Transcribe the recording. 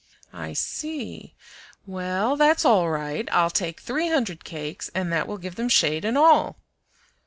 "I see. Well, that's all right. I'll take three hundred cakes, and that will give them shade and all."